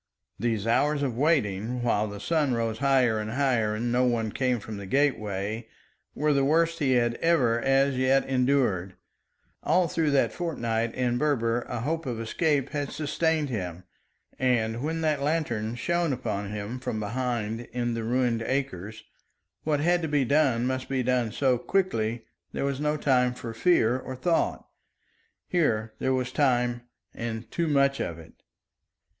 These hours of waiting, while the sun rose higher and higher and no one came from the gateway, were the worst he had ever as yet endured. All through that fortnight in Berber a hope of escape had sustained him, and when that lantern shone upon him from behind in the ruined acres, what had to be done must be done so quickly there was no time for fear or thought. Here there was time and too much of it.